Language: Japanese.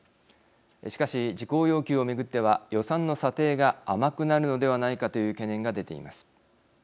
しかし、事項要求を巡っては予算の査定が甘くなるのではないかという懸念が出ています。